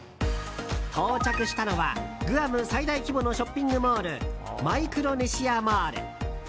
到着したのはグアム最大規模のショッピングモールマイクロネシアモール。